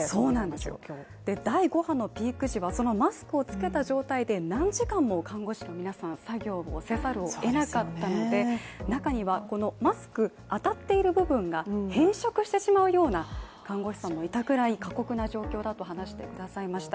第５波のピーク時はそのマスクを着けた状態で何時間も看護師の皆さん、作業をせざるを得なかったので、中にはこのマスク、当たっている部分が変色してしまうような看護師さんもいたくらい過酷な状況だと話してくださいました。